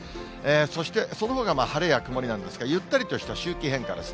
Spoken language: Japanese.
そしてそのほかは晴れや曇りなんですが、ゆったりとした周期変化です。